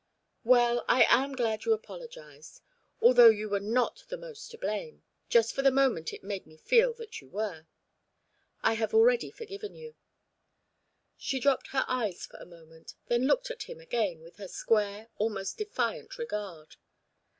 "Well, I am glad you apologised. Although you were not the most to blame, just for the moment it made me feel that you were. I have already forgiven you." She dropped her eyes for a moment, then looked at him again with her square, almost defiant regard.